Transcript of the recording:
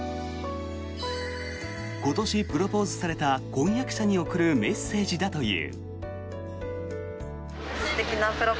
今年、プロポーズされた婚約者に送るメッセージだという。